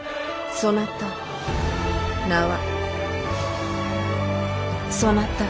そなた名は？